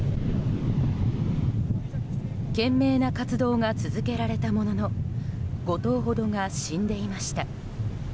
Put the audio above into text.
懸命な活動が続けられたものの５頭ほどが死んでいました。